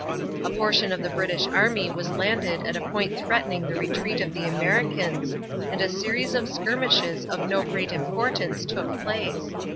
A portion of the British army was landed at a point threatening the retreat of the Americans, and a series of skirmishes of no great importance took place.